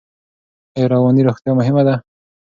ایا رواني روغتیا مهمه ده؟